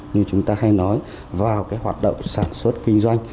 như chúng ta hay nói vào cái hoạt động sản xuất kinh doanh